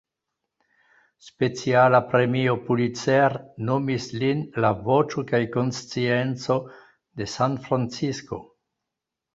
Speciala Premio Pulitzer nomis lin la "voĉo kaj konscienco" de San-Francisko.